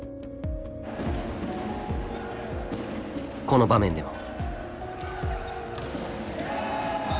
この場面でも。